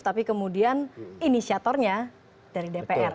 tapi kemudian inisiatornya dari dpr